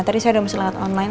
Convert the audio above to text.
tadi saya udah masih lewat online